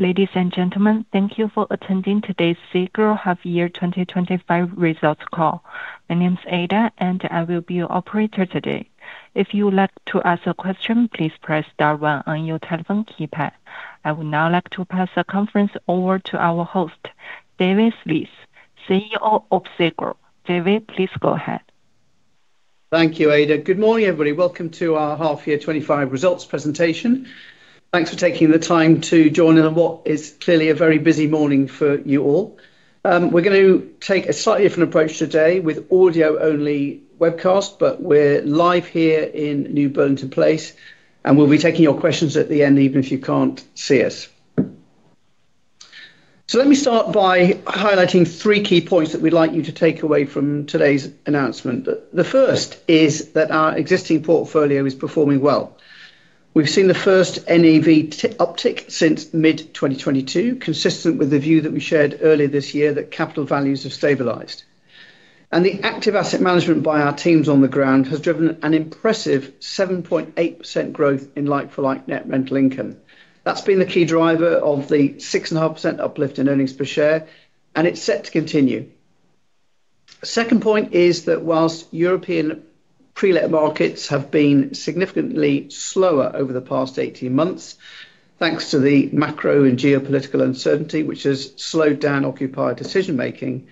Ladies and gentlemen, thank you for attending today's SEGRO Half-Year 2025 Results Call. My name is Ada, and I will be your operator today. If you would like to ask a question, please press star 1 on your telephone keypad. I would now like to pass the conference over to our host, David Sleath, CEO of SEGRO. David, please go ahead. Thank you, Ada. Good morning, everybody. Welcome to our Half-Year 2025 Results Presentation. Thanks for taking the time to join us on what is clearly a very busy morning for you all. We're going to take a slightly different approach today with audio-only webcast, but we're live here in New Burlington Place, and we'll be taking your questions at the end, even if you can't see us. Let me start by highlighting three key points that we'd like you to take away from today's announcement. The first is that our existing portfolio is performing well. We've seen the first NAV uptick since mid-2022, consistent with the view that we shared earlier this year that capital values have stabilized. The active asset management by our teams on the ground has driven an impressive 7.8% growth in like-for-like net rental income. That's been the key driver of the 6.5% uplift in earnings per share, and it's set to continue. The second point is that whilst European pre-let markets have been significantly slower over the past 18 months, thanks to the macro and geopolitical uncertainty, which has slowed down occupier decision-making,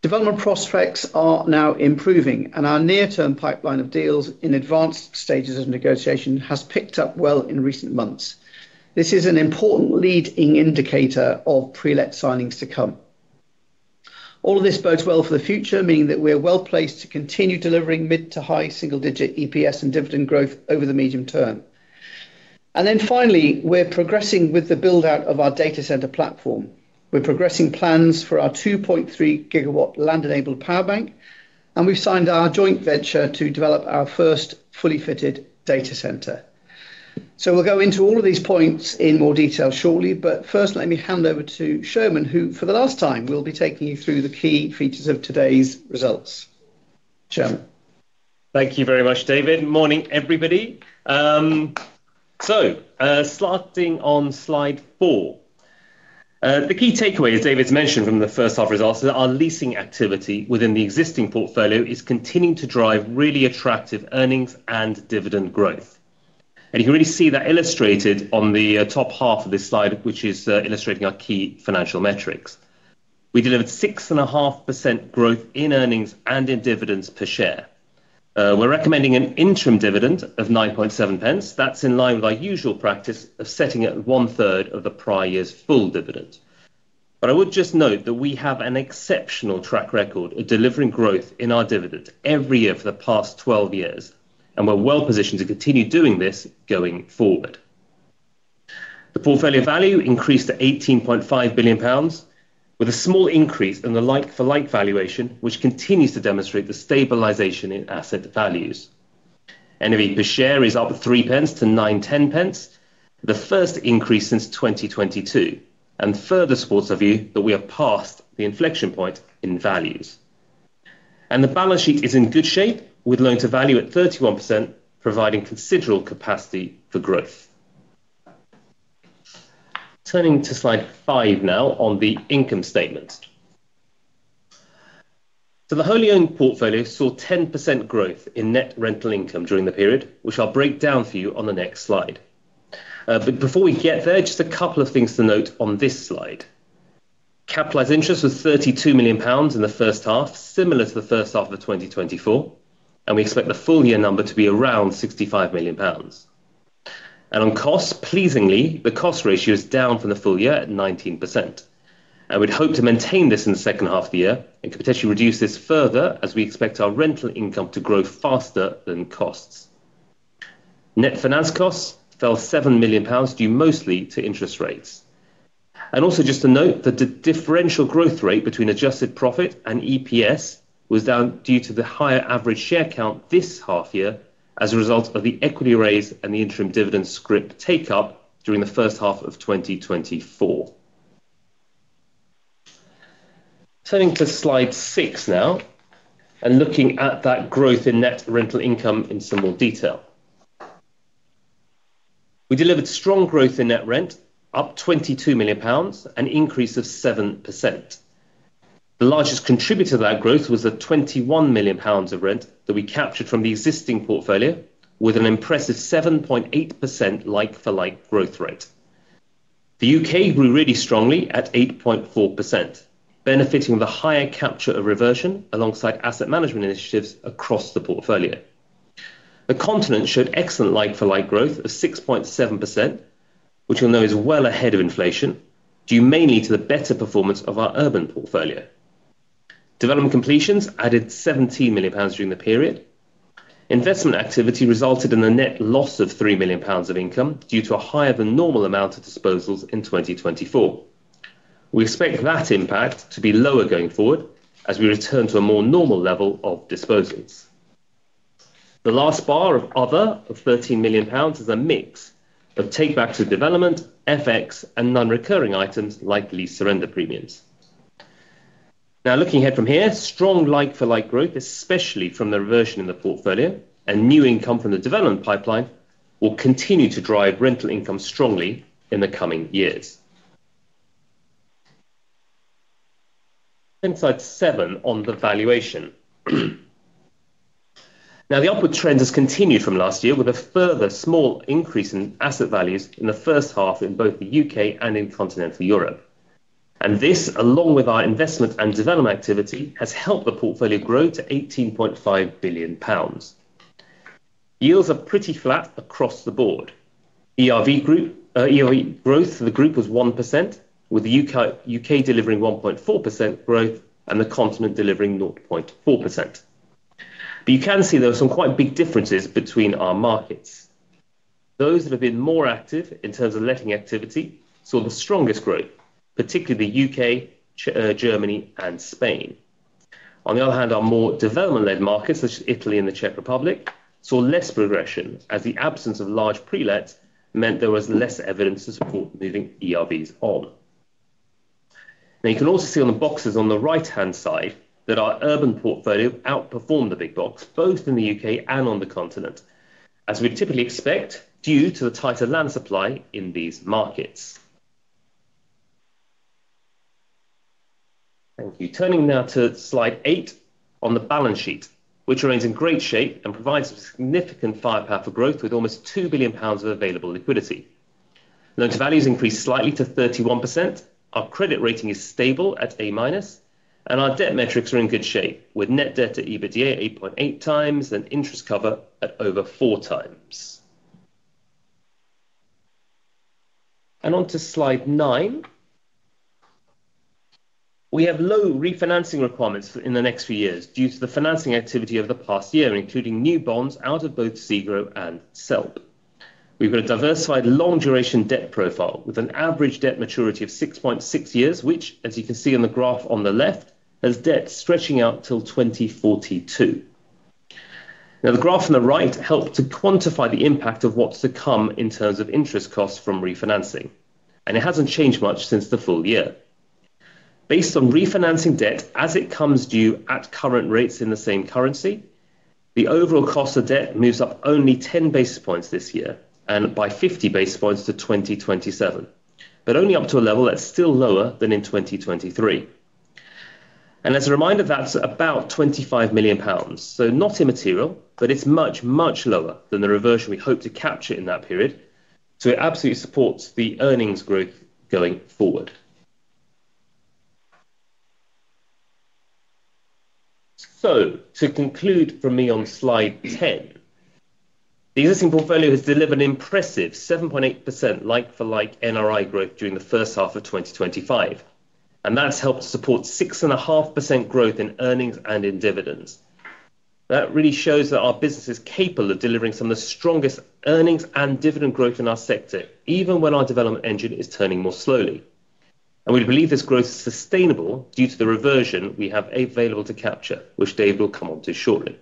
development prospects are now improving, and our near-term pipeline of deals in advanced stages of negotiation has picked up well in recent months. This is an important leading indicator of pre-let signings to come. All of this bodes well for the future, meaning that we're well placed to continue delivering mid- to high-single-digit EPS and dividend growth over the medium term. Finally, we're progressing with the build-out of our data center platform. We're progressing plans for our 2.3 GW Land-enabled Power Bank, and we've signed our joint venture to develop our first fully-fitted data center. We'll go into all of these points in more detail shortly, but first, let me hand over to Soumen, who for the last time will be taking you through the key features of today's results. Soumen. Thank you very much, David. Morning, everybody. Starting on slide four. The key takeaway, as David's mentioned from the first half results, is that our leasing activity within the existing portfolio is continuing to drive really attractive earnings and dividend growth. You can really see that illustrated on the top half of this slide, which is illustrating our key financial metrics. We delivered 6.5% growth in earnings and in dividends per share. We're recommending an interim dividend of 0.097. That's in line with our usual practice of setting it at one-third of the prior year's full dividend. I would just note that we have an exceptional track record of delivering growth in our dividend every year for the past 12 years, and we're well positioned to continue doing this going forward. The portfolio value increased to 18.5 billion pounds, with a small increase in the like-for-like valuation, which continues to demonstrate the stabilization in asset values. NAV per share is up 0.03 to 9.10, the first increase since 2022, and further supports our view that we have passed the inflection point in values. The balance sheet is in good shape, with loan-to-value at 31%, providing considerable capacity for growth. Turning to slide five now on the income statement. The wholly-owned portfolio saw 10% growth in net rental income during the period, which I'll break down for you on the next slide. Before we get there, just a couple of things to note on this slide. Capitalized interest was 32 million pounds in the first half, similar to the first half of 2024, and we expect the full-year number to be around 65 million pounds. On costs, pleasingly, the cost ratio is down from the full year at 19%. We'd hope to maintain this in the second half of the year. It could potentially reduce this further as we expect our rental income to grow faster than costs. Net finance costs fell 7 million pounds, due mostly to interest rates. Also just to note that the differential growth rate between adjusted profit and EPS was down due to the higher average share count this half year as a result of the equity raise and the interim dividend scrip take-up during the first half of 2024. Turning to slide six now. Looking at that growth in net rental income in some more detail. We delivered strong growth in net rent, up 22 million pounds, an increase of 7%. The largest contributor to that growth was the 21 million pounds of rent that we captured from the existing portfolio, with an impressive 7.8% like-for-like growth rate. The U.K.. grew really strongly at 8.4%, benefiting from the higher capture of reversion alongside asset management initiatives across the portfolio. The continent showed excellent like-for-like growth of 6.7%, which you will know is well ahead of inflation, due mainly to the better performance of our urban portfolio. Development completions added GBP 17 million during the period. Investment activity resulted in a net loss of GBP 3 million of income due to a higher-than-normal amount of disposals in 2024. We expect that impact to be lower going forward as we return to a more normal level of disposals. The last bar of other of 13 million pounds is a mix of take-backs of development, FX, and non-recurring items like lease surrender premiums. Now, looking ahead from here, strong like-for-like growth, especially from the reversion in the portfolio and new income from the development pipeline, will continue to drive rental income strongly in the coming years. Turning to slide seven on the valuation. The upward trend has continued from last year with a further small increase in asset values in the first half in both the U.K. and in continental Europe. This, along with our investment and development activity, has helped the portfolio grow to 18.5 billion pounds. Yields are pretty flat across the board. ERV growth for the group was 1%, with the U.K. delivering 1.4% growth and the Continent delivering 0.4%. You can see, though, some quite big differences between our markets. Those that have been more active in terms of letting activity saw the strongest growth, particularly the U.K., Germany, and Spain. On the other hand, our more development-led markets, such as Italy and the Czech Republic, saw less progression as the absence of large Pre-let meant there was less evidence to support moving ERVs on. You can also see on the boxes on the right-hand side that our urban portfolio outperformed the big box, both in the U.K. and on the continent, as we typically expect due to the tighter land supply in these markets. Thank you. Turning now to slide eight on the balance sheet, which remains in great shape and provides significant firepower for growth with almost 2 billion pounds of available liquidity. Loan-to-value has increased slightly to 31%. Our credit rating is stable at A minus, and our debt metrics are in good shape, with net debt to EBITDA at 8.8 times and interest cover at over four times. On to slide nine. We have low refinancing requirements in the next few years due to the financing activity of the past year, including new bonds out of both SEGRO and SELP. We've got a diversified long-duration debt profile with an average debt maturity of 6.6 years, which, as you can see on the graph on the left, has debt stretching out till 2042. The graph on the right helps to quantify the impact of what's to come in terms of interest costs from refinancing, and it hasn't changed much since the full year. Based on refinancing debt as it comes due at current rates in the same currency, the overall cost of debt moves up only 10 basis points this year and by 50 basis points to 2027, but only up to a level that's still lower than in 2023. As a reminder, that's about 25 million pounds. Not immaterial, but it's much, much lower than the reversion we hope to capture in that period. It absolutely supports the earnings growth going forward. To conclude from me on slide 10. The existing portfolio has delivered an impressive 7.8% like-for-like NRI growth during the first half of 2025, and that's helped support 6.5% growth in earnings and in dividends. That really shows that our business is capable of delivering some of the strongest earnings and dividend growth in our sector, even when our development engine is turning more slowly. We believe this growth is sustainable due to the reversion we have available to capture, which David will come on to shortly.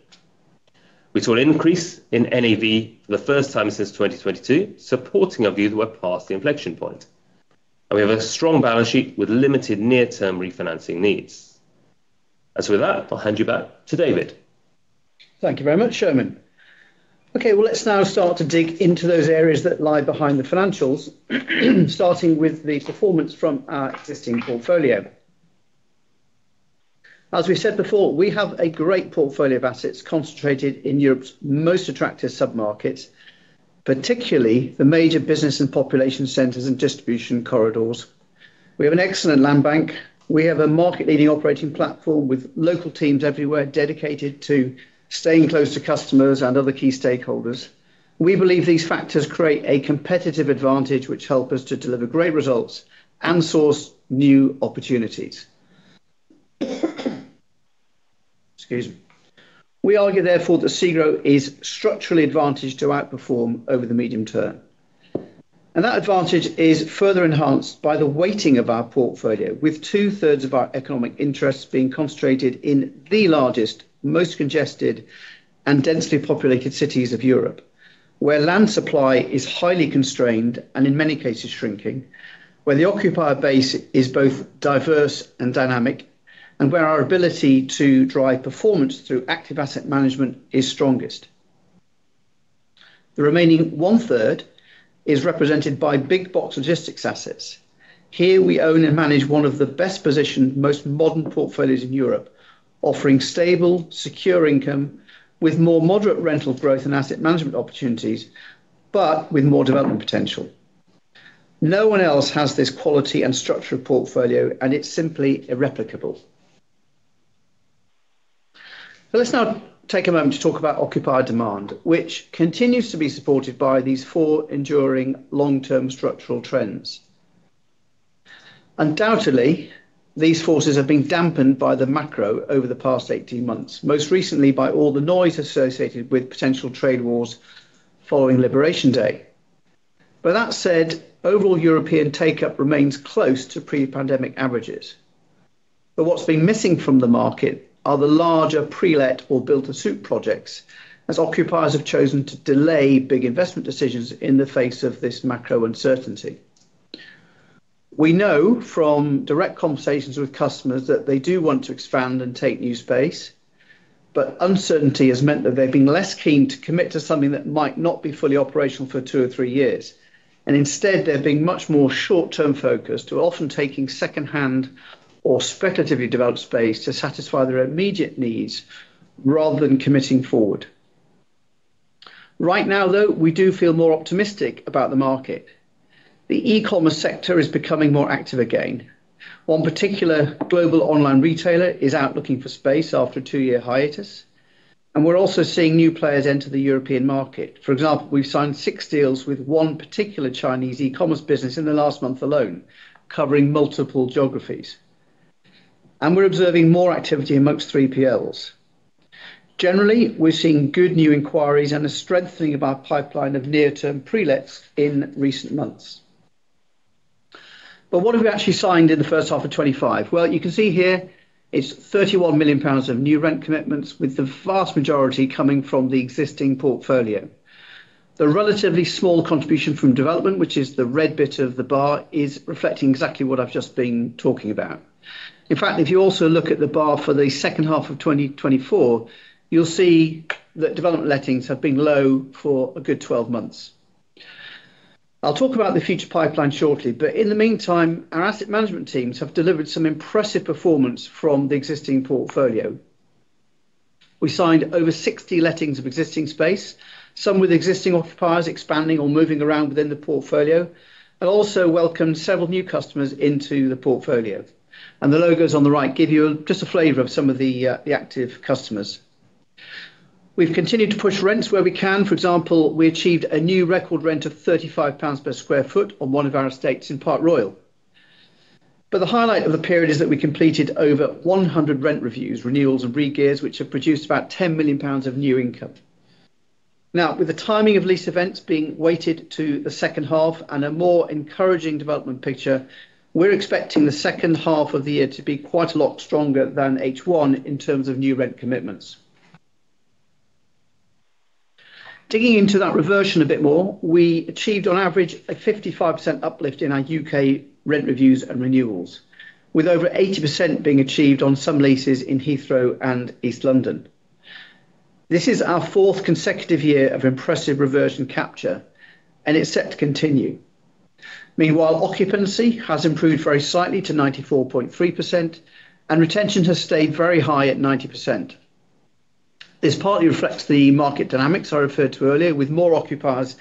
We saw an increase in NAV for the first time since 2022, supporting our view that we're past the inflection point. We have a strong balance sheet with limited near-term refinancing needs. With that, I'll hand you back to David. Thank you very much, Soumen. Okay, let's now start to dig into those areas that lie behind the financials, starting with the performance from our existing portfolio. As we said before, we have a great portfolio of assets concentrated in Europe's most attractive sub-markets, particularly the major business and population centers and distribution corridors. We have an excellent land bank. We have a market-leading operating platform with local teams everywhere dedicated to staying close to customers and other key stakeholders. We believe these factors create a competitive advantage, which help us to deliver great results and source new opportunities. Excuse me. We argue, therefore, that SEGRO is structurally advantaged to outperform over the medium term. That advantage is further enhanced by the weighting of our portfolio, with 2/3 of our economic interests being concentrated in the largest, most congested, and densely populated cities of Europe, where land supply is highly constrained and, in many cases, shrinking, where the occupier base is both diverse and dynamic, and where our ability to drive performance through active asset management is strongest. The remaining 1/3 is represented by big box logistics assets. Here, we own and manage one of the best-positioned, most modern portfolios in Europe, offering stable, secure income with more moderate rental growth and asset management opportunities, but with more development potential. No one else has this quality and structure of portfolio, and it's simply irreplicable. Let's now take a moment to talk about occupier demand, which continues to be supported by these four enduring long-term structural trends. Undoubtedly, these forces have been dampened by the macro over the past 18 months, most recently by all the noise associated with potential trade wars following Liberation Day. That said, overall European take-up remains close to pre-pandemic averages. What's been missing from the market are the larger pre-let or build-to-suit projects, as occupiers have chosen to delay big investment decisions in the face of this macro uncertainty. We know from direct conversations with customers that they do want to expand and take new space, but uncertainty has meant that they've been less keen to commit to something that might not be fully operational for two or three years. Instead, they've been much more short-term focused, often taking second-hand or speculatively developed space to satisfy their immediate needs rather than committing forward. Right now, though, we do feel more optimistic about the market. The e-commerce sector is becoming more active again. One particular global online retailer is out looking for space after a two-year hiatus. We're also seeing new players enter the European market. For example, we've signed six deals with one particular Chinese e-commerce business in the last month alone, covering multiple geographies. We're observing more activity amongst 3PLs. Generally, we're seeing good new inquiries and a strengthening of our pipeline of near-term Pre-let in recent months. What have we actually signed in the first half of 2025? You can see here it's 31 million pounds of new rent commitments, with the vast majority coming from the existing portfolio. The relatively small contribution from development, which is the red bit of the bar, is reflecting exactly what I've just been talking about. In fact, if you also look at the bar for the second half of 2024, you'll see that development lettings have been low for a good 12 months. I'll talk about the future pipeline shortly. In the meantime, our asset management teams have delivered some impressive performance from the existing portfolio. We signed over 60 lettings of existing space, some with existing occupiers expanding or moving around within the portfolio, and also welcomed several new customers into the portfolio. The logos on the right give you just a flavor of some of the active customers. We've continued to push rents where we can. For example, we achieved a new record rent of 35 pounds per square foot on one of our estates in Park Royal. The highlight of the period is that we completed over 100 rent reviews, renewals, and re-gears, which have produced about 10 million pounds of new income. Now, with the timing of lease events being weighted to the second half and a more encouraging development picture, we're expecting the second half of the year to be quite a lot stronger than H1 in terms of new rent commitments. Digging into that reversion a bit more, we achieved, on average, a 55% uplift in our U.K. rent reviews and renewals, with over 80% being achieved on some leases in Heathrow and East London. This is our fourth consecutive year of impressive reversion capture, and it's set to continue. Meanwhile, occupancy has improved very slightly to 94.3%, and retention has stayed very high at 90%. This partly reflects the market dynamics I referred to earlier, with more occupiers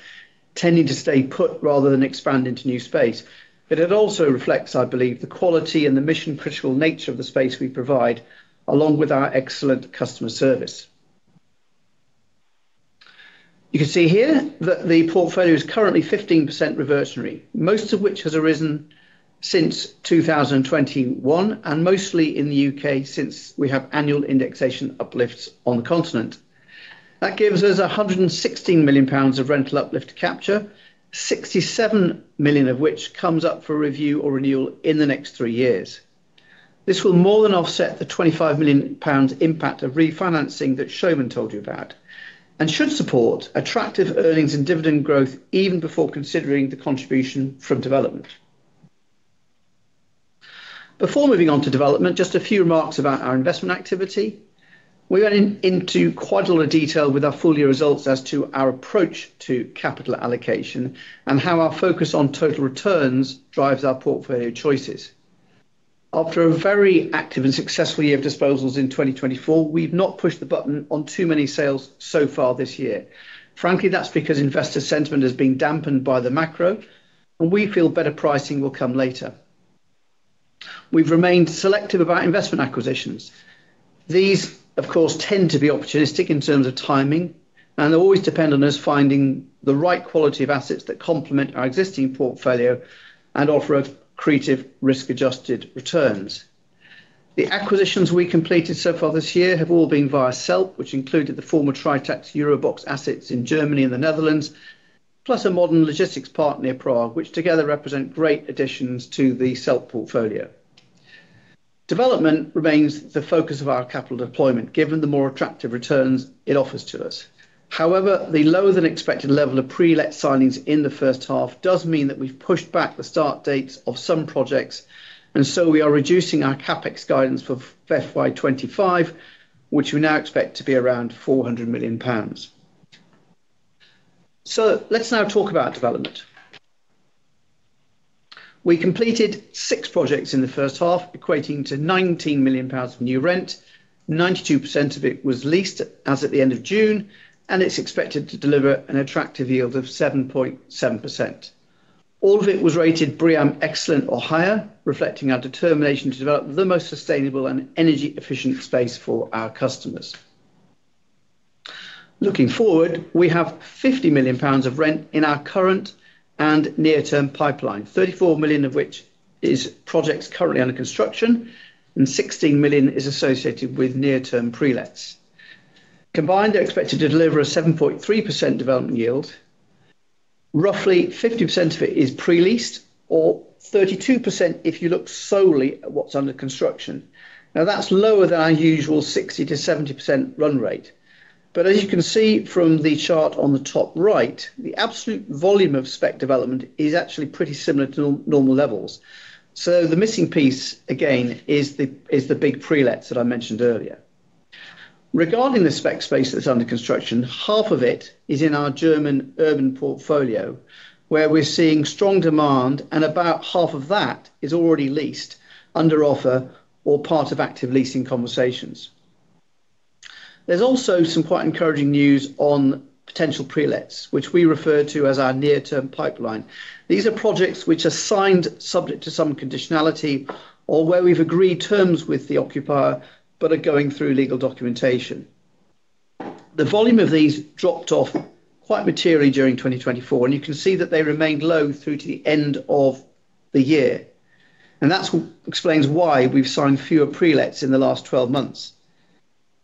tending to stay put rather than expand into new space. It also reflects, I believe, the quality and the mission-critical nature of the space we provide, along with our excellent customer service. You can see here that the portfolio is currently 15% reversionary, most of which has arisen since 2021 and mostly in the U.K. since we have annual indexation uplifts on the continent. That gives us 116 million pounds of rental uplift to capture, 67 million of which comes up for review or renewal in the next three years. This will more than offset the 25 million pounds impact of refinancing that Soumen told you about and should support attractive earnings and dividend growth even before considering the contribution from development. Before moving on to development, just a few remarks about our investment activity. We went into quite a lot of detail with our full-year results as to our approach to capital allocation and how our focus on total returns drives our portfolio choices. After a very active and successful year of disposals in 2024, we've not pushed the button on too many sales so far this year. Frankly, that's because investor sentiment has been dampened by the macro, and we feel better pricing will come later. We've remained selective about investment acquisitions. These, of course, tend to be opportunistic in terms of timing, and they always depend on us finding the right quality of assets that complement our existing portfolio and offer creative, risk-adjusted returns. The acquisitions we completed so far this year have all been via SELP, which included the former Tritax EuroBox assets in Germany and the Netherlands, plus a modern logistics partner near Prague, which together represent great additions to the SELP portfolio. Development remains the focus of our capital deployment, given the more attractive returns it offers to us. However, the lower-than-expected level of pre-let signings in the first half does mean that we've pushed back the start dates of some projects, and we are reducing our CapEx guidance for FY 2025, which we now expect to be around 400 million pounds. Let's now talk about development. We completed six projects in the first half, equating to 19 million pounds of new rent. 92% of it was leased as at the end of June, and it's expected to deliver an attractive yield of 7.7%. All of it was rated BREEAM Excellent or higher, reflecting our determination to develop the most sustainable and energy-efficient space for our customers. Looking forward, we have 50 million pounds of rent in our current and near-term pipeline, 34 million of which is projects currently under construction, and 16 million is associated with near-term Pre-let. Combined, they're expected to deliver a 7.3% development yield. Roughly 50% of it is pre-leased, or 32% if you look solely at what's under construction. Now, that's lower than our usual 60% to 70% run rate. As you can see from the chart on the top right, the absolute volume of spec development is actually pretty similar to normal levels. The missing piece, again, is the big Pre-let that I mentioned earlier. Regarding the spec space that's under construction, half of it is in our German urban portfolio, where we're seeing strong demand, and about half of that is already leased, under offer, or part of active leasing conversations. There's also some quite encouraging news on potential Pre-let, which we refer to as our near-term pipeline. These are projects which are signed subject to some conditionality or where we've agreed terms with the occupier but are going through legal documentation. The volume of these dropped off quite materially during 2024, and you can see that they remained low through to the end of the year. That explains why we've signed fewer Pre-let in the last 12 months.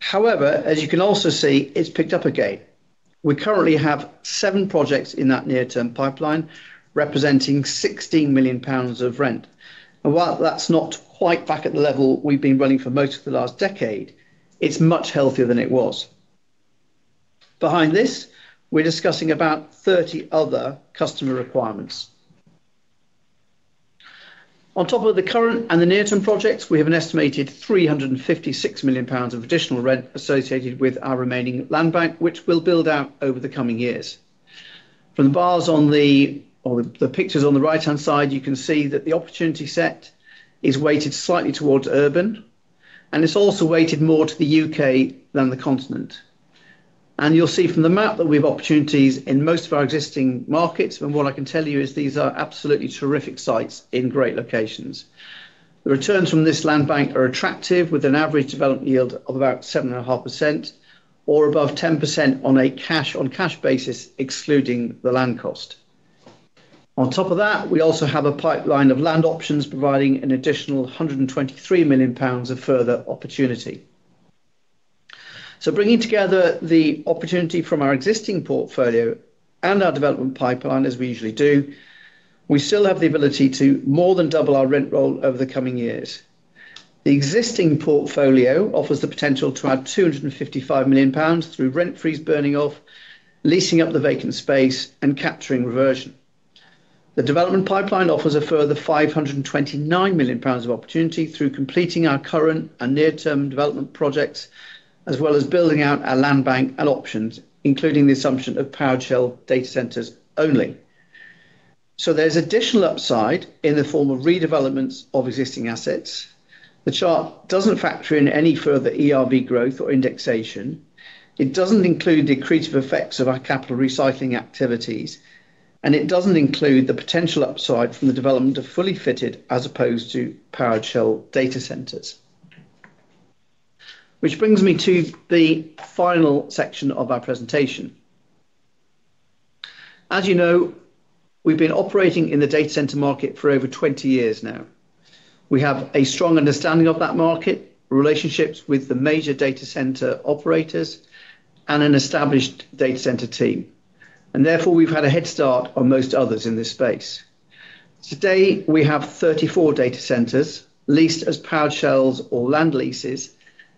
However, as you can also see, it's picked up again. We currently have seven projects in that near-term pipeline representing 16 million pounds of rent. While that's not quite back at the level we've been running for most of the last decade, it's much healthier than it was. Behind this, we're discussing about 30 other customer requirements. On top of the current and the near-term projects, we have an estimated 356 million pounds of additional rent associated with our remaining land bank, which we'll build out over the coming years. From the bars on the pictures on the right-hand side, you can see that the opportunity set is weighted slightly towards urban, and it's also weighted more to the U.K. than the continent. You'll see from the map that we have opportunities in most of our existing markets. What I can tell you is these are absolutely terrific sites in great locations. The returns from this land bank are attractive, with an average development yield of about 7.5% or above 10% on a cash-on-cash basis, excluding the land cost. On top of that, we also have a pipeline of land options providing an additional 123 million pounds of further opportunity. Bringing together the opportunity from our existing portfolio and our development pipeline, as we usually do, we still have the ability to more than double our rent roll over the coming years. The existing portfolio offers the potential to add 255 million pounds through rent freeze burning off, leasing up the vacant space, and capturing reversion. The development pipeline offers a further 529 million pounds of opportunity through completing our current and near-term development projects, as well as building out our land bank and options, including the assumption of power shell data centers only. There's additional upside in the form of redevelopments of existing assets. The chart doesn't factor in any further ERV growth or indexation. It doesn't include the accretive effects of our capital recycling activities, and it doesn't include the potential upside from the development of fully fitted as opposed to power shell data centers. This brings me to the final section of our presentation. As you know, we've been operating in the data center market for over 20 years now. We have a strong understanding of that market, relationships with the major data center operators, and an established data center team. Therefore, we've had a head start on most others in this space. Today, we have 34 data centers leased as power shells or land leases,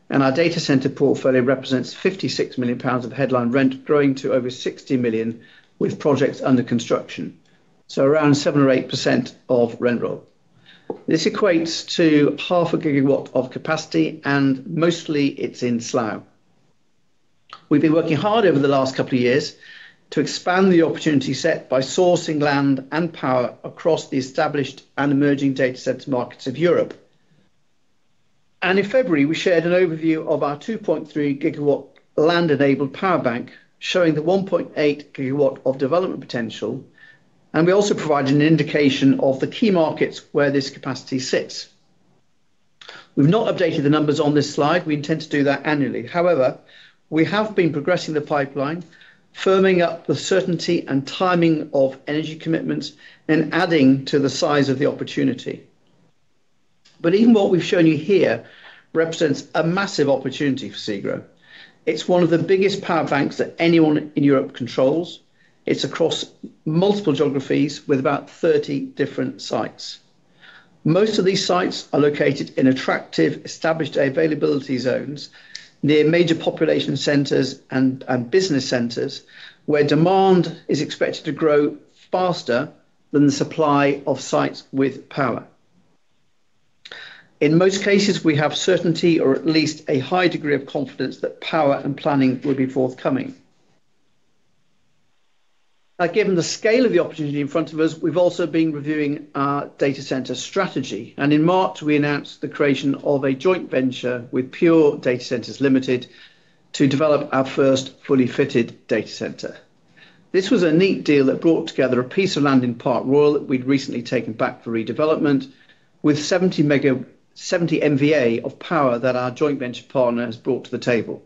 and our data center portfolio represents 56 million pounds of headline rent, growing to over 60 million with projects under construction, so around 7% or 8% of rent roll. This equates to half a gigawatt of capacity, and mostly it's in slow. We've been working hard over the last couple of years to expand the opportunity set by sourcing land and power across the established and emerging data center markets of Europe. In February, we shared an overview of our 2.3 GW Land-enabled Power Bank, showing the 1.8 GW of development potential. We also provided an indication of the key markets were this capacity sits. We've not updated the numbers on this slide. We intend to do that annually. However, we have been progressing the pipeline, firming up the certainty and timing of energy commitments and adding to the size of the opportunity. Even what we've shown you here represents a massive opportunity for SEGRO. It's one of the biggest Power Banks that anyone in Europe controls. It's across multiple geographies with about 30 different sites. Most of these sites are located in attractive, established availability zones near major population centers and business centers, where demand is expected to grow faster than the supply of sites with power. In most cases, we have certainty or at least a high degree of confidence that power and planning will be forthcoming. Given the scale of the opportunity in front of us, we've also been reviewing our data center strategy. In March, we announced the creation of a joint venture with Pure Data Centres Limited to develop our first fully fitted data center. This was a neat deal that brought together a piece of land in Park Royal that we'd recently taken back for redevelopment, with 70 MVA of power that our joint venture partner has brought to the table.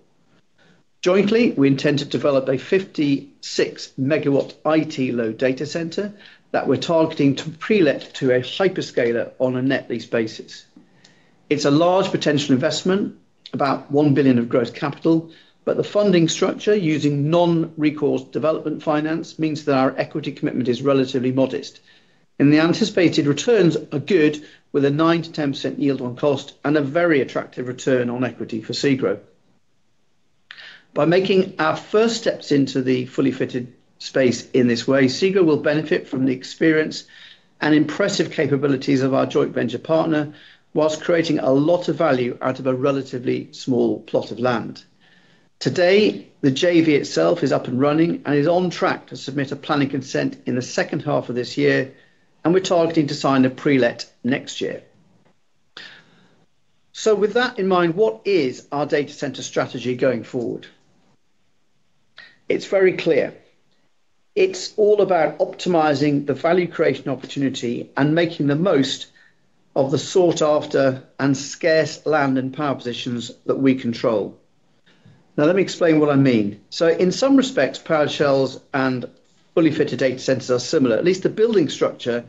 Jointly, we intend to develop a 56 MW IT-load data center that we're targeting to pre-let to a hyperscaler on a net lease basis. It's a large potential investment, about 1 billion of gross capital, but the funding structure using non-recourse development finance means that our equity commitment is relatively modest. The anticipated returns are good, with a 9% to 10% yield on cost and a very attractive return on equity for SEGRO. By making our first steps into the fully fitted space in this way, SEGRO will benefit from the experience and impressive capabilities of our joint venture partner whilst creating a lot of value out of a relatively small plot of land. Today, the JV itself is up and running and is on track to submit a planning consent in the second half of this year, and we're targeting to sign a pre-let next year. With that in mind, what is our data center strategy going forward? It's very clear. It's all about optimizing the value creation opportunity and making the most of the sought-after and scarce land and power positions that we control. Now, let me explain what I mean. In some respects, power shells and fully fitted data centers are similar. At least the building structure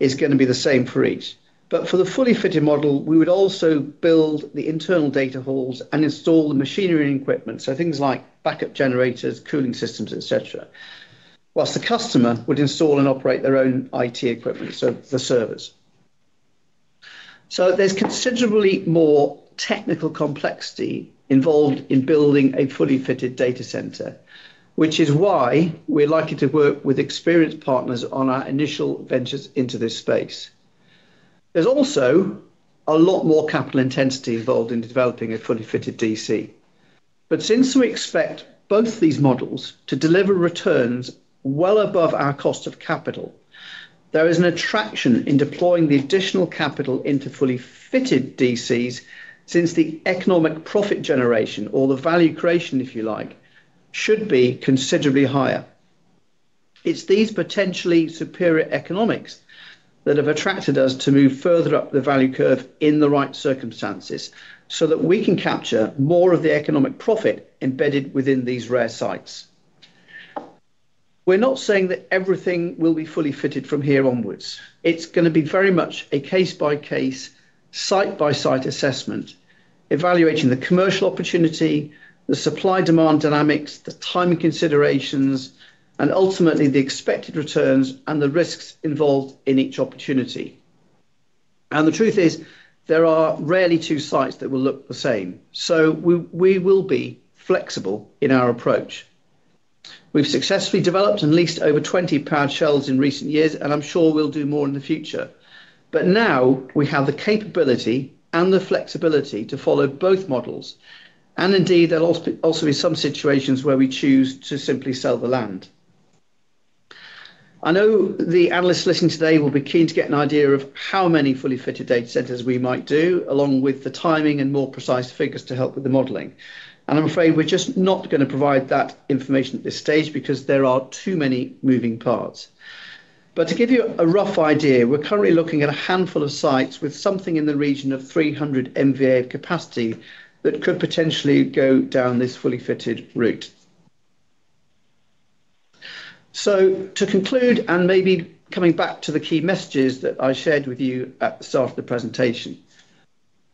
is going to be the same for each. For the fully fitted model, we would also build the internal data halls and install the machinery and equipment, so things like backup generators, cooling systems, etc., whilst the customer would install and operate their own IT equipment, so the servers. There is considerably more technical complexity involved in building a fully fitted data center, which is why we're likely to work with experienced partners on our initial ventures into this space. There is also a lot more capital intensity involved in developing a fully fitted DC. Since we expect both these models to deliver returns well above our cost of capital, there is an attraction in deploying the additional capital into fully fitted DCs since the economic profit generation, or the value creation, if you like, should be considerably higher. It is these potentially superior economics that have attracted us to move further up the value curve in the right circumstances so that we can capture more of the economic profit embedded within these rare sites. We're not saying that everything will be fully fitted from here onwards. It is going to be very much a case-by-case, site-by-site assessment, evaluating the commercial opportunity, the supply-demand dynamics, the timing considerations, and ultimately the expected returns and the risks involved in each opportunity. The truth is, there are rarely two sites that will look the same. We will be flexible in our approach. We've successfully developed and leased over 20 power shells in recent years, and I'm sure we'll do more in the future. Now we have the capability and the flexibility to follow both models. Indeed, there will also be some situations where we choose to simply sell the land. I know the analysts listening today will be keen to get an idea of how many fully fitted data centers we might do, along with the timing and more precise figures to help with the modeling. I'm afraid we're just not going to provide that information at this stage because there are too many moving parts. To give you a rough idea, we're currently looking at a handful of sites with something in the region of 300 MVA capacity that could potentially go down this fully fitted route. To conclude, and maybe coming back to the key messages that I shared with you at the start of the presentation,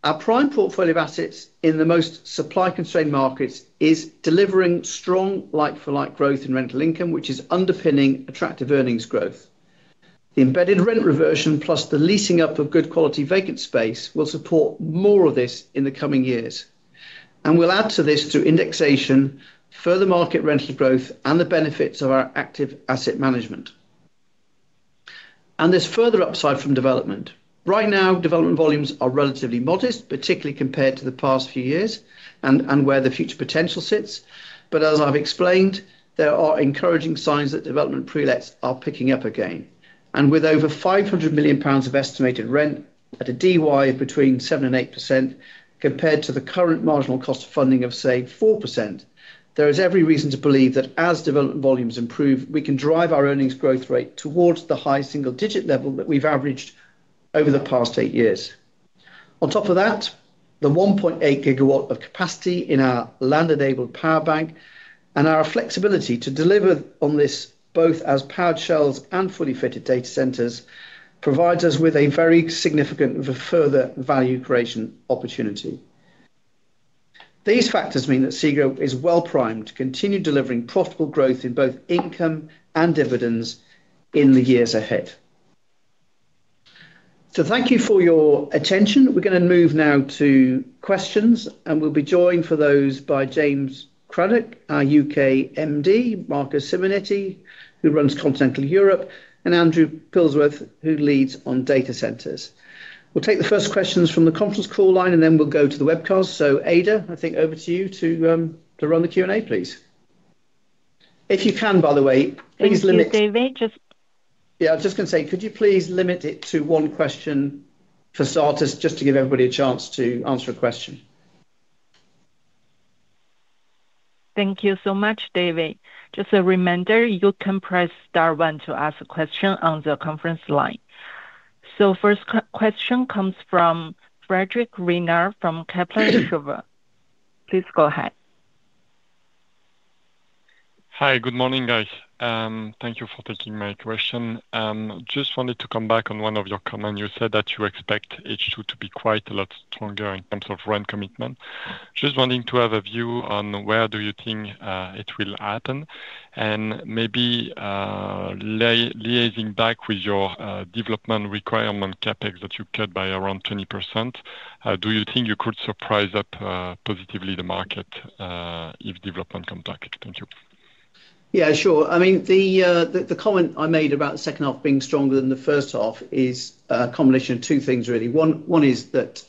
our prime portfolio of assets in the most supply-constrained markets is delivering strong like-for-like growth in rental income, which is underpinning attractive earnings growth. The embedded rent reversion plus the leasing up of good quality vacant space will support more of this in the coming years. We will add to this through indexation, further market rental growth, and the benefits of our active asset management. There is further upside from development. Right now, development volumes are relatively modest, particularly compared to the past few years and where the future potential sits. As I have explained, there are encouraging signs that development Pre-let are picking up again. With over 500 million pounds of estimated rent at a DY of between 7% and 8% compared to the current marginal cost of funding of, say, 4%, there is every reason to believe that as development volumes improve, we can drive our earnings growth rate towards the high single-digit level that we have averaged over the past eight years. On top of that, the 1.8 GW of capacity in our Land-enabled Power Bank and our flexibility to deliver on this both as power shells and fully fitted data centers provides us with a very significant further value creation opportunity. These factors mean that SEGRO is well primed to continue delivering profitable growth in both income and dividends in the years ahead. Thank you for your attention. We are going to move now to questions, and we will be joined for those by James Craddock, our U.K. Managing Director, Marco Simonetti, who runs Continental Europe, and Andrew Pilsworth, who leads on data centers. We will take the first questions from the conference call line, and then we will go to the webcast. Ada, I think over to you to run the Q&A, please. If you can, by the way, please limit. Thank you, David. I was just going to say, could you please limit it to one question for starters, just to give everybody a chance to answer a question? Thank you so much, David. Just a reminder, you can press star one to ask a question on the conference line. The first question comes from Frédéric Renard from Kepler Cheuvreux. Please go ahead. Hi, good morning, guys. Thank you for taking my question. I just wanted to come back on one of your comments. You said that you expect H2 to be quite a lot stronger in terms of rent commitment. I just want to have a view on where you think it will happen and maybe, liaising back with your development requirement CapEx that you cut by around 20%, do you think you could surprise up positively the market if development comes back? Thank you. The comment I made about the second half being stronger than the first half is a combination of two things, really. One is that.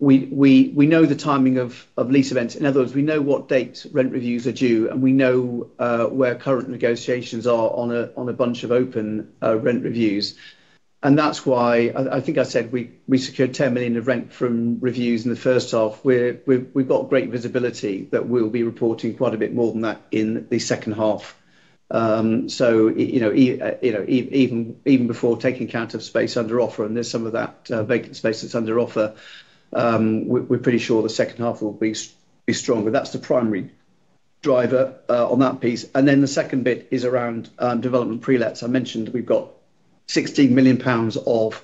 We know the timing of lease events. In other words, we know what dates rent reviews are due, and we know where current negotiations are on a bunch of open rent reviews. That's why I think I said we secured 10 million of rent from reviews in the first half. We've got great visibility that we'll be reporting quite a bit more than that in the second half. Even before taking account of space under offer, and there's some of that vacant space that's under offer, we're pretty sure the second half will be stronger. That's the primary driver on that piece. The second bit is around development Pre-let. I mentioned we've got 16 million pounds of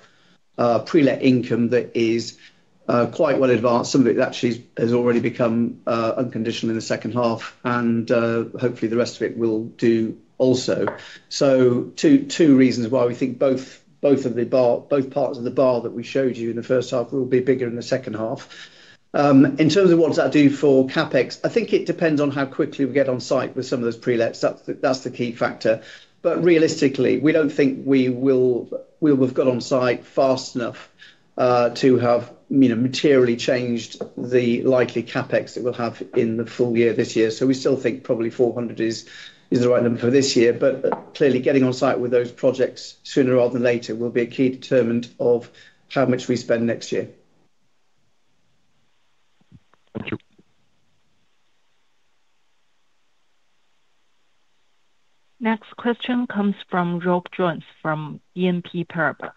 pre-let income that is quite well advanced. Some of it actually has already become unconditional in the second half, and hopefully the rest of it will do also. Two reasons why we think both parts of the bar that we showed you in the first half will be bigger in the second half. In terms of what does that do for CapEx, I think it depends on how quickly we get on site with some of those Pre-let. That's the key factor. Realistically, we don't think we'll have got on site fast enough to have materially changed the likely CapEx that we'll have in the full year this year. We still think probably 400 million is the right number for this year. Clearly, getting on site with those projects sooner rather than later will be a key determinant of how much we spend next year. Thank you. Next question comes from Rob Jones from BNP Paribas.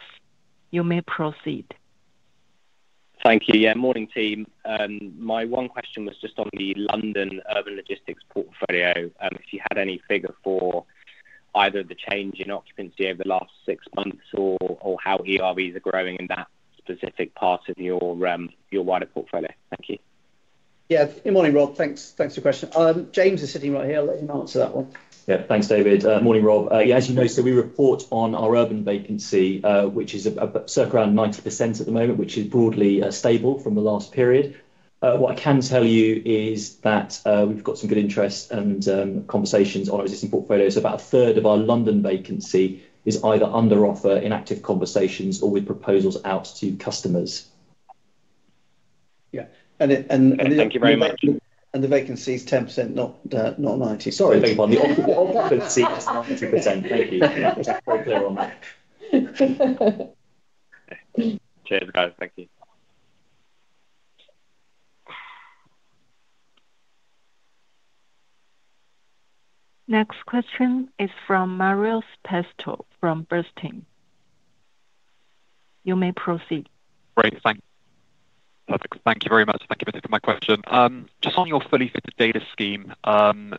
You may proceed. Thank you. Yeah, morning, team. My one question was just on the London Urban Logistics portfolio. If you had any figure for either the change in occupancy over the last six months or how ERVs are growing in that specific part of your wider portfolio. Thank you. Yeah, good morning, Rob. Thanks for your question. James is sitting right here. I'll let him answer that one. Yeah, thanks, David. Morning, Rob. As you know, we report on our urban vacancy, which is circa around 90% at the moment, which is broadly stable from the last period. What I can tell you is that we've got some good interest and conversations on our existing portfolio. About a third of our London vacancy is either under offer, in active conversations, or with proposals out to customers. Thank you very much. The vacancy is 10%, not 90%. The occupancy is 90%. Thank you. Just very clear on that. Cheers, guys. Thank you. Next question is from Marios Pastou from Bernstein. You may proceed. Great. Thanks. Perfect. Thank you very much. Thank you for my question. Just on your fully fitted data scheme,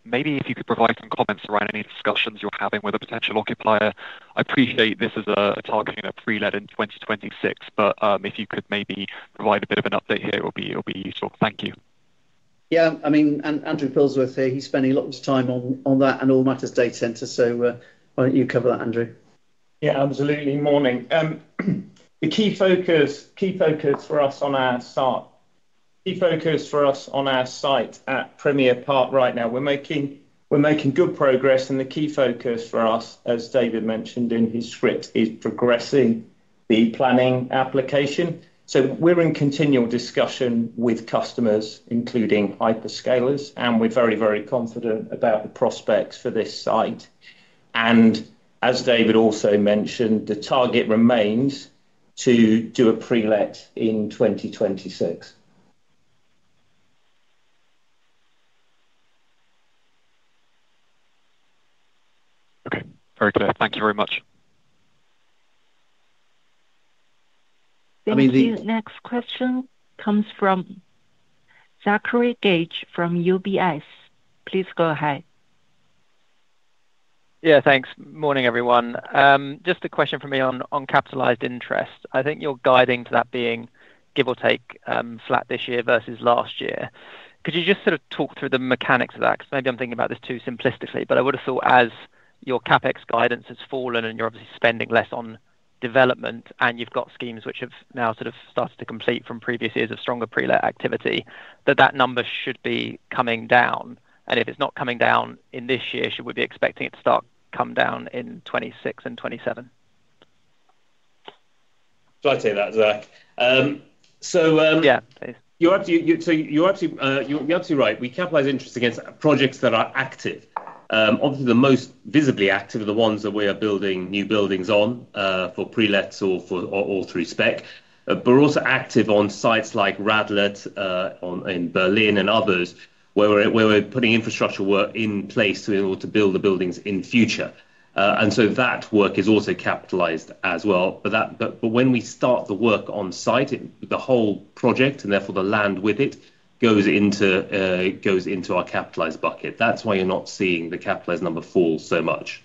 maybe if you could provide some comments around any discussions you're having with a potential occupier. I appreciate this is targeting a pre-let in 2026, but if you could maybe provide a bit of an update here, it will be useful. Thank you. Yeah. I mean, Andrew Pilsworth here. He's spending a lot of time on that and all matters data center. Why don't you cover that, Andrew? Yeah, absolutely. Morning. The key focus for us on our site, key focus for us on our site at Premier Park right now, we're making good progress. The key focus for us, as David mentioned in his script, is progressing the planning application. We're in continual discussion with customers, including hyperscalers, and we're very, very confident about the prospects for this site. As David also mentioned, the target remains to do a pre-let in 2026. Okay. Very clear. Thank you very much. Thank you. The next question comes from Zachary Gauge from UBS. Please go ahead. Yeah, thanks. Morning, everyone. Just a question for me on capitalized interest. I think you're guiding to that being, give or take, flat this year versus last year. Could you just sort of talk through the mechanics of that? Maybe I'm thinking about this too simplistically, but I would have thought as your CapEx guidance has fallen and you're obviously spending less on development and you've got schemes which have now started to complete from previous years of stronger pre-let activity, that that number should be coming down. If it's not coming down in this year, should we be expecting it to start coming down in 2026 and 2027? Do I say that, Zach? So, yeah, please. You're absolutely right. We capitalize interest against projects that are active. Obviously, the most visibly active are the ones that we are building new buildings on for Pre-let or through spec. We're also active on sites like Radlett, in Berlin and others where we're putting infrastructure work in place in order to build the buildings in future. That work is also capitalized as well. When we start the work on site, the whole project and therefore the land with it goes into our capitalized bucket. That's why you're not seeing the capitalized number fall so much.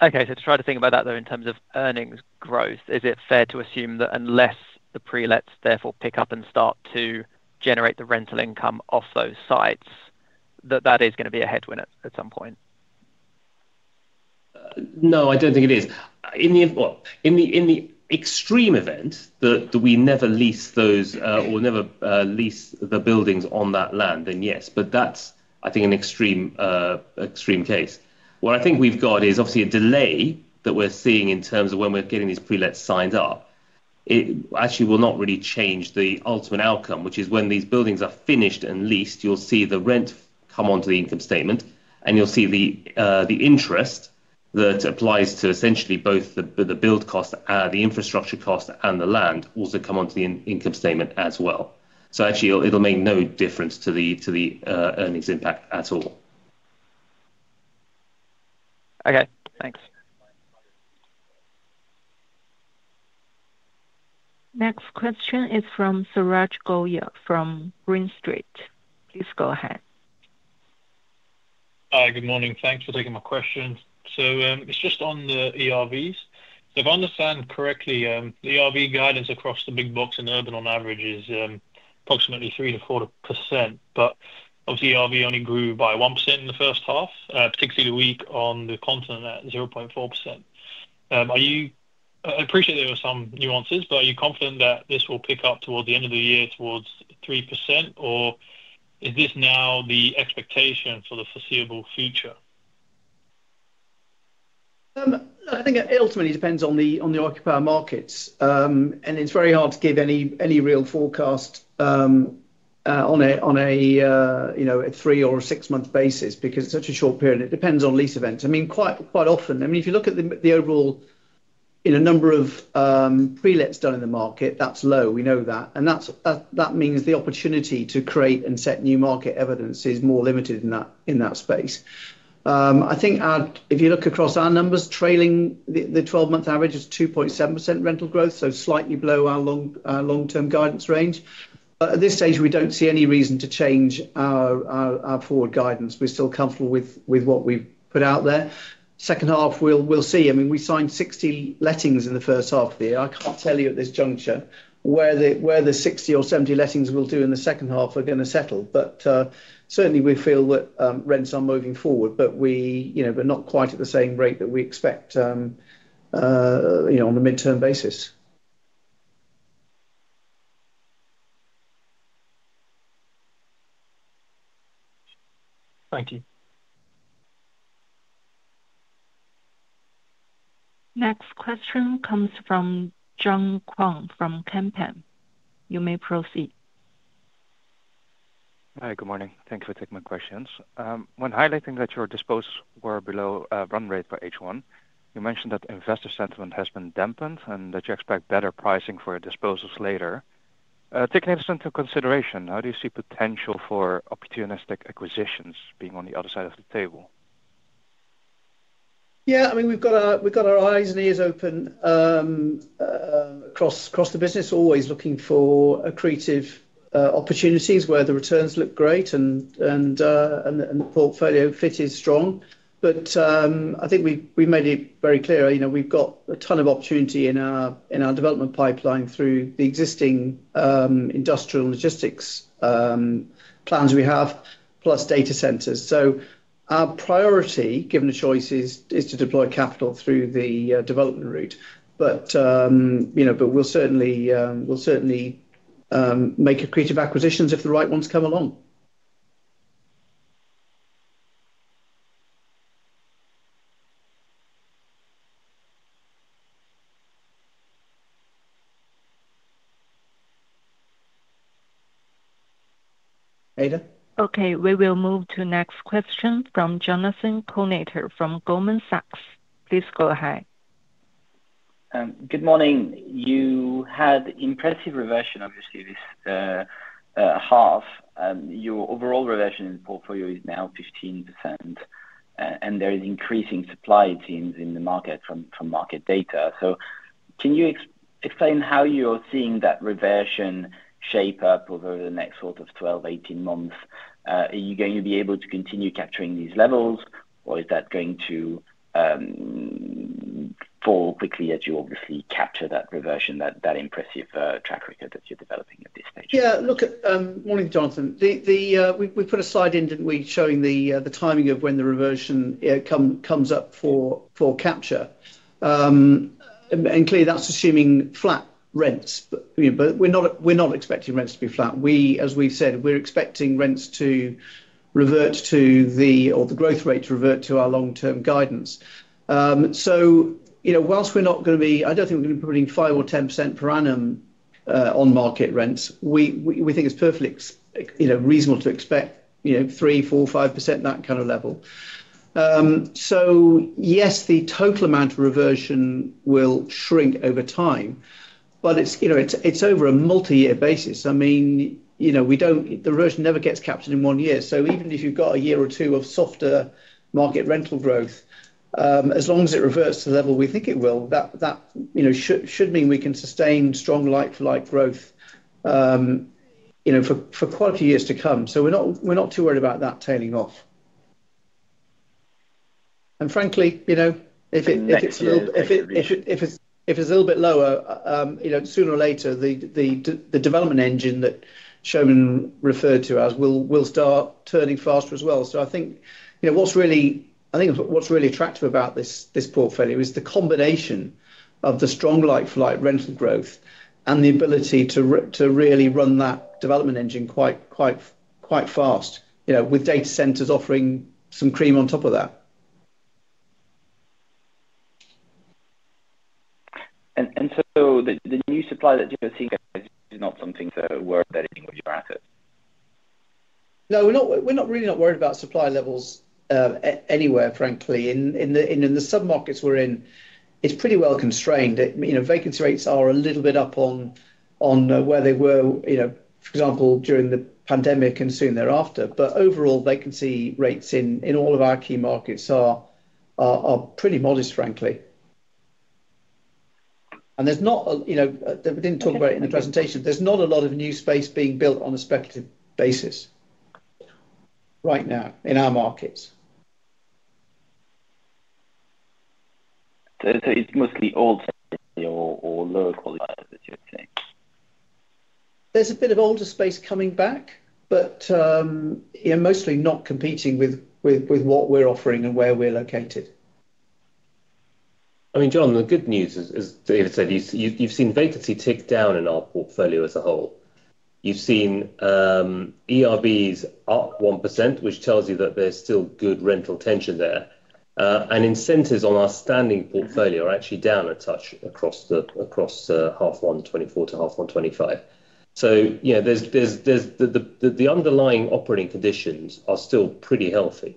Okay. To try to think about that, though, in terms of earnings growth, is it fair to assume that unless the Pre-let therefore pick up and start to generate the rental income off those sites, that that is going to be a headwind at some point? No, I don't think it is. In the extreme event that we never lease those or never lease the buildings on that land, then yes. That's, I think, an extreme case. What I think we've got is obviously a delay that we're seeing in terms of when we're getting these Pre-let signed up. It actually will not really change the ultimate outcome, which is when these buildings are finished and leased, you'll see the rent come onto the income statement, and you'll see the interest that applies to essentially both the build cost, the infrastructure cost, and the land also come onto the income statement as well. It will make no difference to the earnings impact at all. Okay. Thanks. Next question is from Suraj Goyal from Green Street. Please go ahead. Hi, good morning. Thanks for taking my question. It's just on the ERVs. If I understand correctly, the ERV guidance across the big box and urban on average is approximately 3% to 4%. Obviously, ERV only grew by 1% in the first half, particularly weak on the continent at 0.4%. I appreciate there were some nuances, but are you confident that this will pick up towards the end of the year towards 3%, or is this now the expectation for the foreseeable future? I think it ultimately depends on the occupier markets. It's very hard to give any real forecast on a three or six-month basis because it's such a short period. It depends on lease events. Quite often, if you look at the overall number of Pre-let done in the market, that's low. We know that, and that means the opportunity to create and set new market evidence is more limited in that space. If you look across our numbers, trailing the 12-month average is 2.7% rental growth, so slightly below our long-term guidance range. At this stage, we don't see any reason to change our forward guidance. We're still comfortable with what we've put out there. Second half, we'll see. We signed 60 lettings in the first half of the year. I can't tell you at this juncture where the 60 or 70 lettings we'll do in the second half are going to settle. Certainly, we feel that rents are moving forward, but we're not quite at the same rate that we expect on a midterm basis. Thank you. Next question comes from Zheng Quan from Kempen. You may proceed. Hi, good morning. Thank you for taking my questions. When highlighting that your disposals were below run rate for H1, you mentioned that investor sentiment has been dampened and that you expect better pricing for your disposals later. Taking this into consideration, how do you see potential for opportunistic acquisitions being on the other side of the table? Yeah, I mean, we've got our eyes and ears open across the business, always looking for accretive opportunities where the returns look great and the portfolio fit is strong. I think we've made it very clear. We've got a ton of opportunity in our development pipeline through the existing industrial logistics plans we have, plus data centers. Our priority, given the choices, is to deploy capital through the development route. We'll certainly make accretive acquisitions if the right ones come along. Ada? Okay. We will move to next question from Jonathan Kownator from Goldman Sachs. Please go ahead. Good morning. You had impressive reversion, obviously, this half. Your overall reversion in the portfolio is now 15%. There is increasing supply teams in the market from market data. Can you explain how you're seeing that reversion shape up over the next sort of 12, 18 months? Are you going to be able to continue capturing these levels, or is that going to fall quickly as you obviously capture that reversion, that impressive track record that you're developing at this stage? Yeah. Look, morning, Jonathan. We put a slide in, didn't we, showing the timing of when the reversion comes up for capture. Clearly, that's assuming flat rents. We're not expecting rents to be flat. As we've said, we're expecting rents to revert to the, or the growth rate to revert to our long-term guidance. Whilst we're not going to be, I don't think we're going to be putting 5% or 10% per annum on market rents, we think it's perfectly reasonable to expect 3%, 4%, 5%, that kind of level. Yes, the total amount of reversion will shrink over time, but it's over a multi-year basis. The reversion never gets captured in one year. Even if you've got a year or two of softer market rental growth, as long as it reverts to the level we think it will, that should mean we can sustain strong like-for-like growth for quite a few years to come. We're not too worried about that tailing off. Frankly, if it's a little bit. If it's a little bit lower, sooner or later, the development engine that Soumen referred to us will start turning faster as well. I think what's really attractive about this portfolio is the combination of the strong like-for-like rental growth and the ability to really run that development engine quite fast, with data centers offering some cream on top of that. The new supply that you're seeing is not something to worry about anymore with your assets? No, we're really not worried about supply levels anywhere, frankly. In the sub-markets we're in, it's pretty well constrained. Vacancy rates are a little bit up on where they were, for example, during the pandemic and soon thereafter. Overall, vacancy rates in all of our key markets are pretty modest, frankly. There is not a lot of new space being built on a speculative basis right now in our markets. It's mostly old space or lower-quality assets, you're saying? There's a bit of older space coming back, but mostly not competing with what we're offering and where we're located. I mean, John, the good news is, as David said, you've seen vacancy tick down in our portfolio as a whole. You've seen ERVs up 1%, which tells you that there's still good rental tension there. Incentives on our standing portfolio are actually down a touch across half 124 to half 125. The underlying operating conditions are still pretty healthy.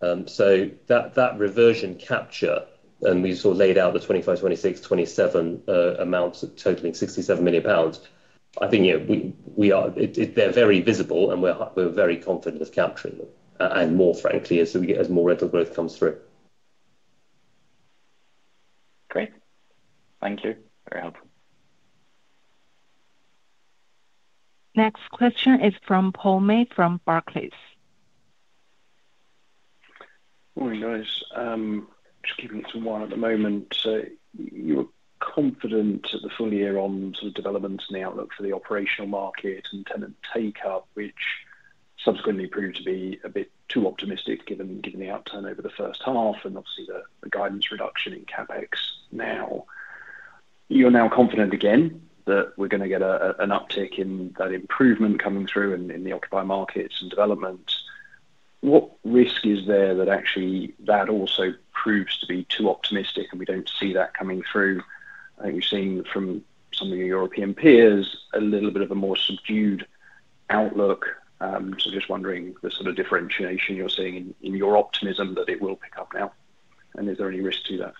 That reversion capture, and we sort of laid out the 2025, 2026, 2027 amounts totaling 67 million pounds, I think, they're very visible, and we're very confident of capturing them, and more, frankly, as more rental growth comes through. Great. Thank you. Very helpful. Next question is from Paul May from Barclays. Morning, guys. Just keeping it to one at the moment. You were confident the full year on sort of developments in the outlook for the operational market and tenant take-up, which subsequently proved to be a bit too optimistic given the outturn over the first half and obviously the guidance reduction in CapEx now. You're now confident again that we're going to get an uptick in that improvement coming through in the occupied markets and development. What risk is there that actually that also proves to be too optimistic and we don't see that coming through? I think we've seen from some of your European peers a little bit of a more subdued outlook. Just wondering the sort of differentiation you're seeing in your optimism that it will pick up now. Is there any risk to that?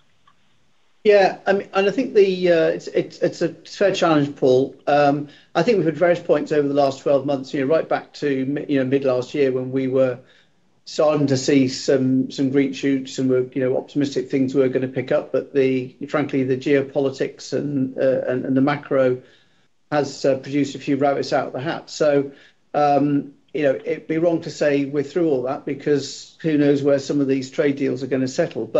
Yeah. I think it's a fair challenge, Paul. We've had various points over the last 12 months, right back to mid-last year when we were starting to see some green shoots and optimistic things were going to pick up. Frankly, the geopolitics and the macro has produced a few rabbits out of the hat. It'd be wrong to say we're through all that because who knows where some of these trade deals are going to settle.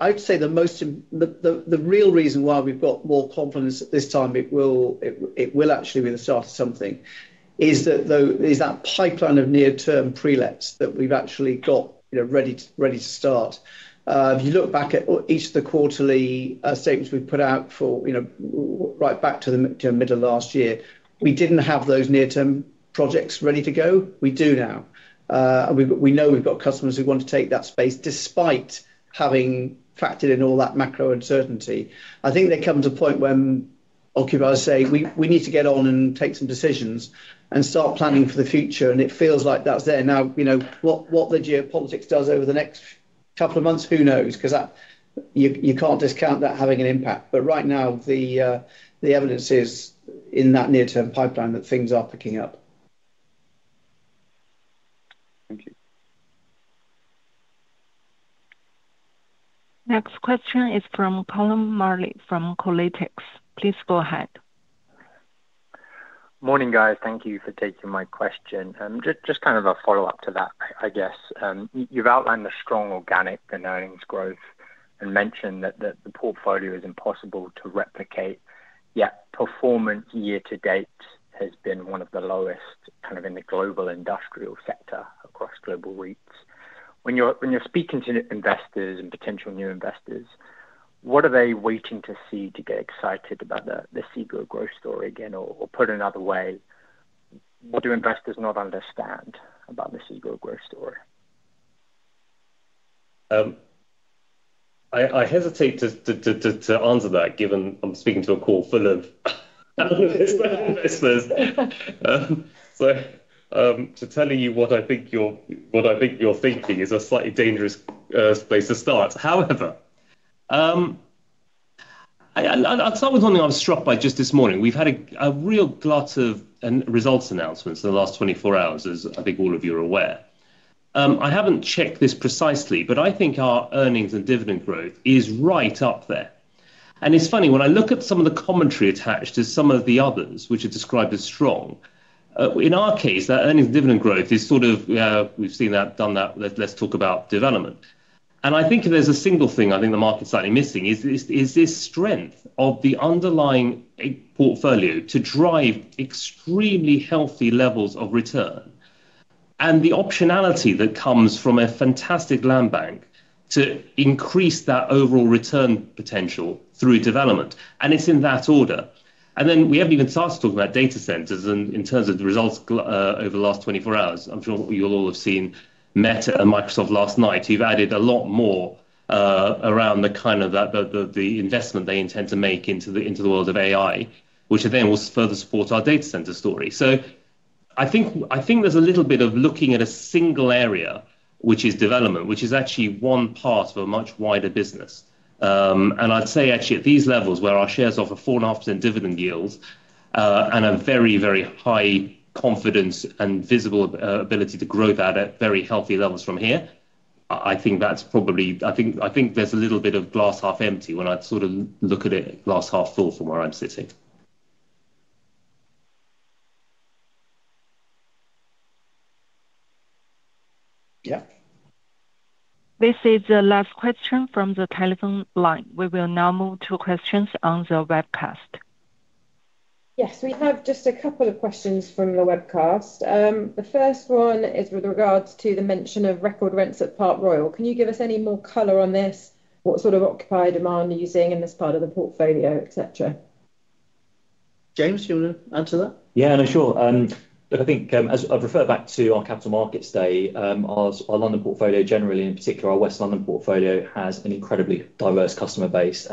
I'd say the real reason why we've got more confidence at this time it will actually be the start of something is that pipeline of near-term Pre-let that we've actually got ready to start. If you look back at each of the quarterly statements we've put out right back to the middle of last year, we didn't have those near-term projects ready to go. We do now. We know we've got customers who want to take that space despite having factored in all that macro uncertainty. I think they come to a point when occupiers say, "We need to get on and take some decisions and start planning for the future." It feels like that's there. Now, what the geopolitics does over the next couple of months, who knows? You can't discount that having an impact. Right now, the evidence is in that near-term pipeline that things are picking up. Thank you. Next question is from Callum Marley from Kolytics. Please go ahead. Morning, guys. Thank you for taking my question. Just kind of a follow-up to that, I guess. You've outlined the strong organic and earnings growth and mentioned that the portfolio is impossible to replicate, yet performance year to date has been one of the lowest in the global industrial sector across global REITs. When you're speaking to investors and potential new investors, what are they waiting to see to get excited about the SEGRO growth story again? Put another way, what do investors not understand about the SEGRO growth story? I hesitate to answer that, given I'm speaking to a call full of investors. To telling you what I think you're thinking is a slightly dangerous place to start. However, I'll start with something I was struck by just this morning. We've had a real glut of results announcements in the last 24 hours, as I think all of you are aware. I haven't checked this precisely, but I think our earnings and dividend growth is right up there. It's funny, when I look at some of the commentary attached to some of the others, which are described as strong. In our case, that earnings and dividend growth is sort of, "We've seen that, done that. Let's talk about development." I think if there's a single thing I think the market's slightly missing, it is this strength of the underlying portfolio to drive extremely healthy levels of return. The optionality that comes from a fantastic land bank increases that overall return potential through development. It's in that order. We haven't even started talking about data centers in terms of the results over the last 24 hours. I'm sure you'll all have seen Meta and Microsoft last night. You've added a lot more around the kind of investment they intend to make into the world of AI, which then will further support our data center story. I think there's a little bit of looking at a single area, which is development, which is actually one part of a much wider business. I'd say actually at these levels where our shares offer 4.5% dividend yields and a very, very high confidence and visible ability to grow that at very healthy levels from here, I think that's probably—I think there's a little bit of glass half empty when I sort of look at it glass half full from where I'm sitting. This is the last question from the telephone line. We will now move to questions on the webcast. Yes, we have just a couple of questions from the webcast. The first one is with regards to the mention of record rents at Park Royal. Can you give us any more color on this? What sort of occupier demand are you seeing in this part of the portfolio, etc.? James, do you want to answer that? Yeah, no, sure. Look, I think as I've referred back to our capital markets day, our London portfolio generally, in particular our West London portfolio, has an incredibly diverse customer base.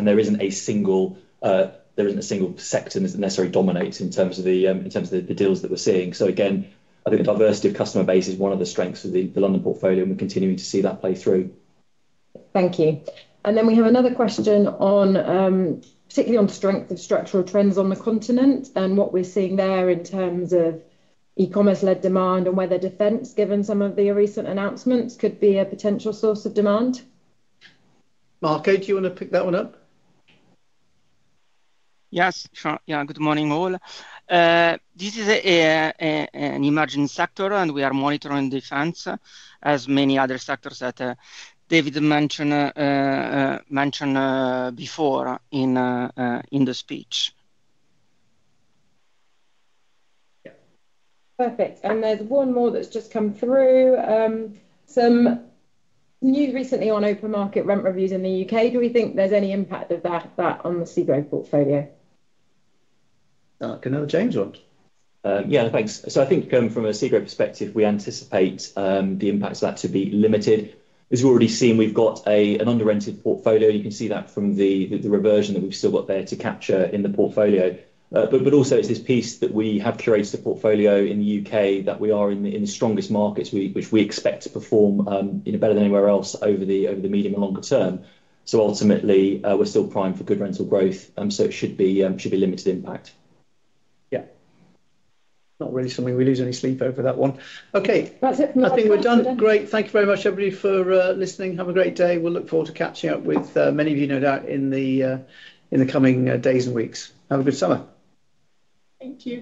There isn't a single sector that necessarily dominates in terms of the deals that we're seeing. I think the diversity of customer base is one of the strengths of the London portfolio, and we're continuing to see that play through. Thank you. We have another question, particularly on strength of structural trends on the continent and what we're seeing there in terms of e-commerce-led demand and whether defense, given some of the recent announcements, could be a potential source of demand. Marco, do you want to pick that one up? Yes. Good morning, all. This is an emerging sector, and we are monitoring defense as many other sectors that David mentioned before in the speech. Perfect. There's one more that's just come through. Some news recently on open market rent reviews in the U.K. Do we think there's any impact of that on the SEGRO portfolio? Can James answer? Yeah, thanks. I think from a SEGRO perspective, we anticipate the impact of that to be limited. As you've already seen, we've got an under-rented portfolio. You can see that from the reversion that we've still got there to capture in the portfolio. Also, it's this piece that we have curated a portfolio in the U.K. that we are in the strongest markets, which we expect to perform better than anywhere else over the medium and longer term. Ultimately, we're still primed for good rental growth, and it should be limited impact. Yeah. Not really something we lose any sleep over that one. Okay. That's it for my side. I think we're done. Great. Thank you very much, everybody, for listening. Have a great day. We'll look forward to catching up with many of you, no doubt, in the coming days and weeks. Have a good summer. Thank you.